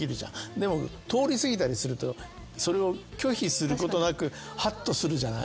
でも通り過ぎたりするとそれを拒否することなくハッとするじゃない？